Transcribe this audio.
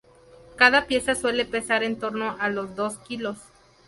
Cada pieza suele pesar en torno a los dos kilos.